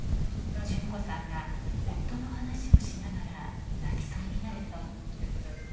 順子さんが夫の話をしながら泣きそうになると。